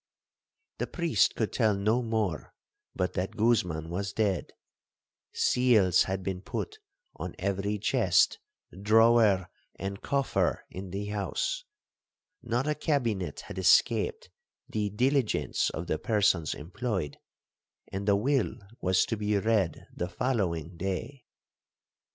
The Priest could tell no more but that Guzman was dead,—seals had been put on every chest, drawer, and coffer in the house,—not a cabinet had escaped the diligence of the persons employed,—and the will was to be read the following day.